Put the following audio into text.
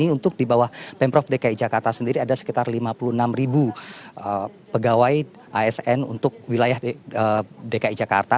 untuk di bawah pemprov dki jakarta sendiri ada sekitar lima puluh enam ribu pegawai asn untuk wilayah dki jakarta